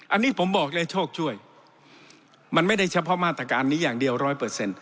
อันนี้ผมบอกเลยโชคช่วยมันไม่ได้เฉพาะมาตรการนี้อย่างเดียวร้อยเปอร์เซ็นต